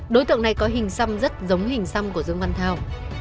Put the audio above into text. đối tượng này có hình xăm rất giống hình xăm của dương văn thao